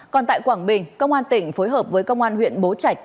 còn tại quảng bình công an tỉnh phối hợp với công an huyện bố trạch